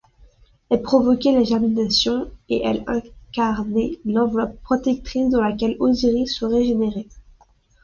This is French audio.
Elle provoquait la germination et elle incarnait l'enveloppe protectrice dans laquelle Osiris se régénérait.